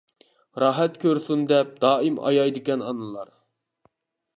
راھەت كۆرسۇن دەپ دائىم ئايايدىكەن ئانىلار.